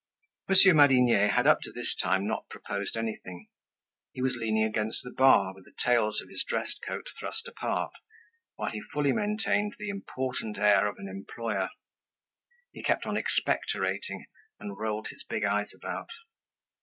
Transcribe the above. Monsieur Madinier had up to this time not proposed anything. He was leaning against the bar, with the tails of his dress coat thrust apart, while he fully maintained the important air of an employer. He kept on expectorating, and rolled his big eyes about.